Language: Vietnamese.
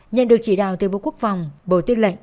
nhận được chỉ đạo từ bộ quốc phòng bộ tư lệnh